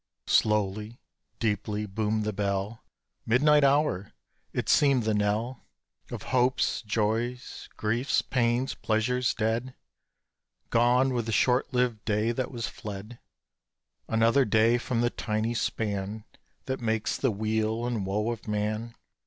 Slowly, deeply, boomed the bell Midnight hour! it seemed the knell Of hopes, joys, griefs, pains, pleasures dead, Gone with the short lived day that was fled; Another day from the tiny span That makes the weal and woe of man!